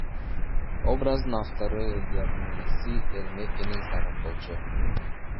Образдын автору Элдиярдын иниси Эрмек Кененсаров болчу.